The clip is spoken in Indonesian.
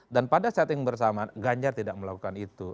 dan pada setting bersama ganyar tidak melakukan itu